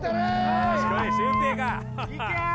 よし来いシュウペイかいけー！